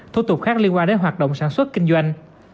thủ tục khác liên quan đến hoạt động sản xuất kinh doanh